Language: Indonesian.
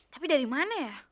tapi dari mana ya